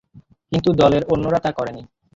কিন্তু দলের অন্যরা তা করেনি।